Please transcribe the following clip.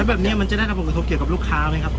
แล้วแบบนี้มันจะได้อาพื้นกระทบเกี่ยวกับลูกค้ามั้ยครับ